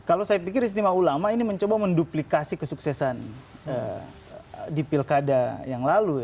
kalau saya pikir istimewa ulama ini mencoba menduplikasi kesuksesan di pilkada yang lalu